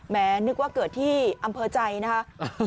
นึกว่าเกิดที่อำเภอใจนะคะ